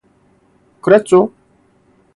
그랬죠.